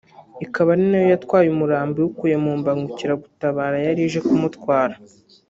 ikaba ari na yo yatwaye umurambo iwukuye mu mbangukiragutabara yari ije kuwutwara